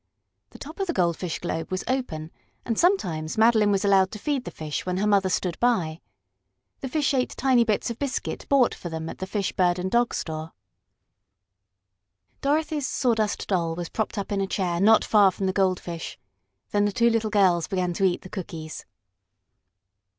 The top of the goldfish globe was open, and sometimes Madeline was allowed to feed the fish when her mother stood by. The fish ate tiny bits of biscuit bought for them at the fish, bird and dog store. Dorothy's Sawdust Doll was propped up in a chair not far from the goldfish. Then the two little girls began to eat the cookies.